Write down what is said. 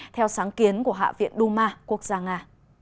theo sáng kiến của hạ viện duma quốc gia nga